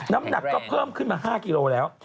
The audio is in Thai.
น้ำหนักก็เพิ่มขึ้นมา๕กิโลแล้ว